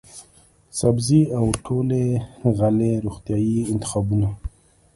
سبزۍ او ټولې غلې روغتیايي انتخابونه،